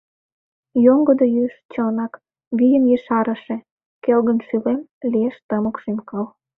Йоҥгыдо юж — чынак, вийым ешарыше: Келгын шӱлем, лиеш тымык шӱм-кыл.